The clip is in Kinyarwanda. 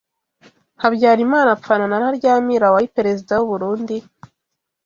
Habyarimana apfana na Ntaryamira wari Perezida w’u Burundi